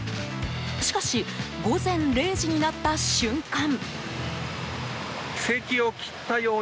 しかし午前０時になった瞬間。